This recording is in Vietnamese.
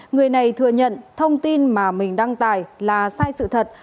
người này thừa nhận thông tin mà mình đăng tải là sai sự thật